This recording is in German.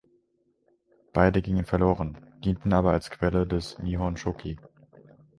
Beide gingen verloren, dienten aber als Quelle des "Nihon Shoki".